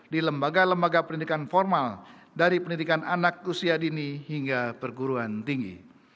di lembaga lembaga pendidikan formal dari pendidikan anak usia dini hingga perguruan tinggi